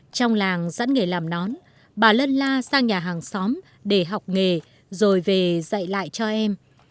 trong làng dẫn nghề làm nón bà lân la sang nhà hàng xóm để học nghề rồi về dạy lại cho em